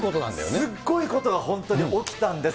すっごいことが本当に起きたんです。